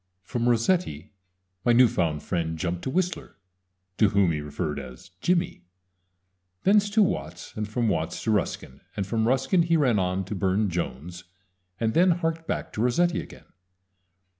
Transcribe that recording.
"] From Rossetti my new found friend jumped to Whistler to whom he referred as "Jimmy" thence to Watts, and from Watts to Ruskin; from Ruskin he ran on to Burne Jones, and then harked back to Rossetti again.